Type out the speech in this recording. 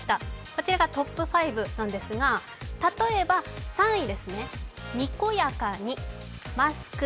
こちらがトップ５なんですが、例えば３位ですね。